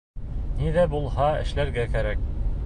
Ни ҙә булһа эшләргә кәрәк.